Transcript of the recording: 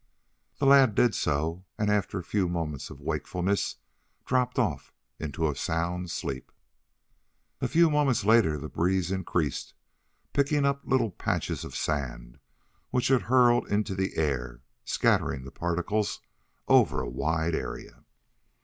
The lad did so, and after a few moments of wakefulness, dropped off into a sound sleep. A few moments later the breeze increased, picking up little patches of sand, which it hurled into the air, scattering the particles over a wide area.